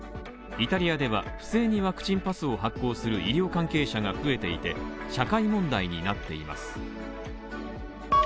イタリアでは、不正にワクチンパスを発行する医療関係者が増えていて、社会問題になっています。